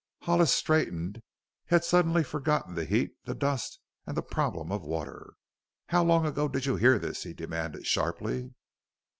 Hollis straightened. He had suddenly forgotten the heat, the dust, and the problem of water. "How long ago did you hear this?" he demanded sharply.